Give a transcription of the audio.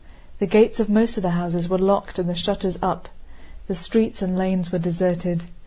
The gates of most of the houses were locked and the shutters up. The streets and lanes were deserted.